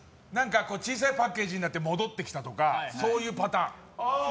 小さいパッケージになって戻ってきたとかそういうパターン。